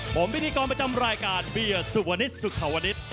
ผมพิธีกรประจำรายการเบียสุวรรณิชย์สุขวรรณิชย์